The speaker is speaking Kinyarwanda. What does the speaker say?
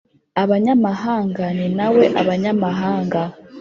Abanyamahanga ni na we abanyamahanga